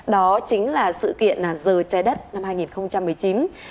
đó chính là sự kiện giờ trái đất năm hai nghìn một mươi chín